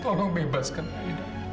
tolong bebaskan aida